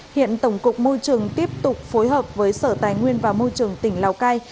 hiện tổng cục môi trường tiếp tục phối hợp với sở tài nguyên và môi trường tỉnh lào cai